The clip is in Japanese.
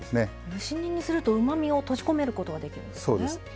蒸し煮にするとうまみを閉じ込めることができるんですね。